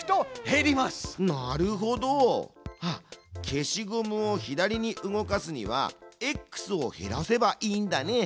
消しゴムを左に動かすにはＸを減らせばいいんだね。